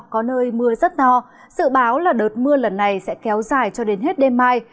có nơi mưa rất to sự báo là đợt mưa lần này sẽ kéo dài cho đến hết đêm mai